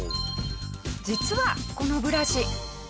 実はこのブラシ。